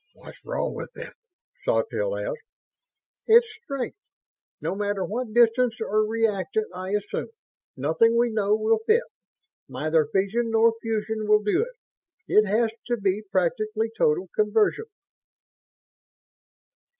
"What's wrong with it?" Sawtelle asked. "Its strength. No matter what distance or reactant I assume, nothing we know will fit. Neither fission nor fusion will do it. It has to be practically total conversion!"